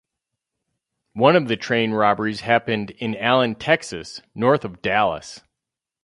One of the train robberies happened in Allen, Texas, north of Dallas.